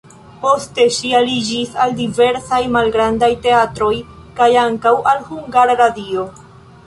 Poste ŝi aliĝis al diversaj malgrandaj teatroj kaj ankaŭ al Hungara Radio.